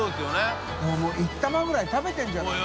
任もう１玉ぐらい食べてるんじゃないの？